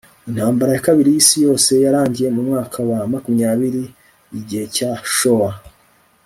intambara ya kabiri y'isi yose yarangiye mu mwaka wa makunya biri 'igihe cya showa